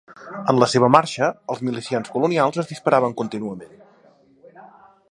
En la seva marxa, els milicians colonials els disparaven contínuament.